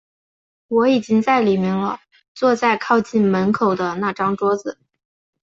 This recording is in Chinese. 我已经在里面了，坐在靠近门口的那张桌子。